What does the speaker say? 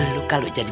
dulu kalau jadi